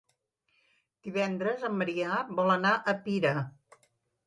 Divendres en Maria vol anar a Pira.